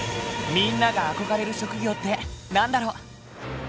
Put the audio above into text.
みんなが憧れる職業って何だろう？